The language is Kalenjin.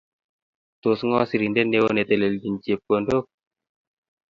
Tos ngo sirindet neo netelchini chepkodnok?